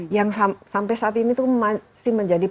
yang sampai saat ini itu masih menjadi